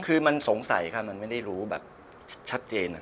คือมันสงสัยค่ะมันไม่ได้รู้แบบชัดเจน